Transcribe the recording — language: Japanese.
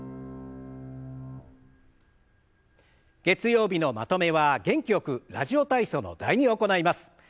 月曜日のまとめは元気よく「ラジオ体操」の「第２」を行います。